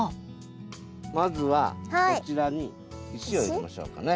まずはこちらに石を入れましょうかね。